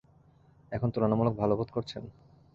এখন তুলনামূলক ভালো বোধ করছেন?